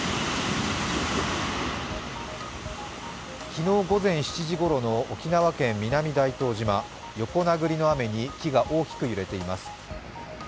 昨日午前７時ごろの沖縄県南大東島横殴りの雨に木が大きく揺れています。